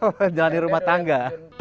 sudah siap menjalani rumah tangga